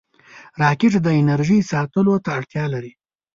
راکټ د انرژۍ ساتلو ته اړتیا لري